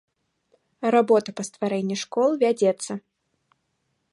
Работа па стварэнні школ вядзецца.